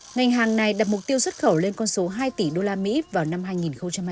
ngành hàng này đặt mục tiêu xuất khẩu lên con số hai tỷ đô la mỹ vào năm hai nghìn hai mươi năm